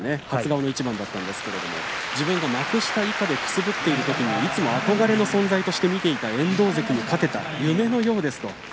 初顔の一番だったんですけど自分が幕下以下でくすぶっていたときにいつも憧れの存在として見ていた遠藤関に勝てた夢のようです